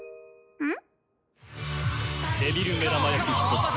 うん。